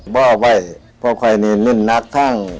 บ่อไว้เพราะใครนี่นุ่นนักทั้ง